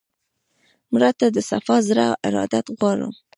مړه ته د صفا زړه ارادت غواړو